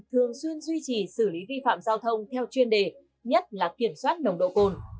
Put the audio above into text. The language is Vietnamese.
thường xuyên duy trì xử lý vi phạm giao thông theo chuyên đề nhất là kiểm soát nồng độ cồn